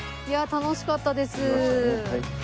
楽しかったです。